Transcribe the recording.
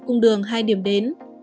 một cung đường hai điểm đến